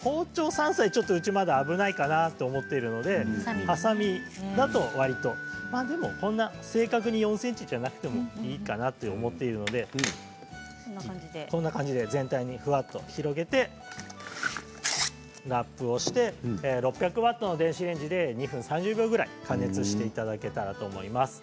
包丁は３歳はうちは危ないかなと思っているのではさみではわりと正確に４ｃｍでなくてもいいかなと思っているのでこんな感じで全体にふわっと広げてラップをして６００ワットの電子レンジで２分３０秒ぐらい加熱していただけたらと思います。